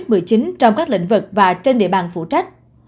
covid một mươi chín trong các lĩnh vực và trên địa bàn phụ trách